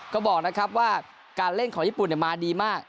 ก็บอกนะครับว่าการเล่นของญี่ปุ่นมาดีมาก